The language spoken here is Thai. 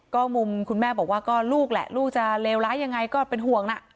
ก็มุมคุณแม่บอกว่าก็ลูกแหละลูกจะเลวร้ายยังไงก็เป็นห่วงนะ